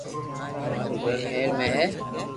مارو گھر ھير مي ھي